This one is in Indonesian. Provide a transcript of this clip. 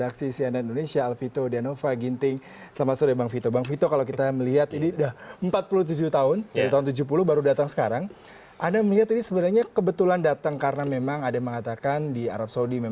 kerajaan arab saudi